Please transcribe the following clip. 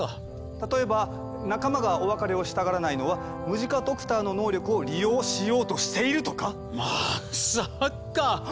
例えば仲間がお別れをしたがらないのはムジカドクターの能力を利用しようとしているとか⁉まさか。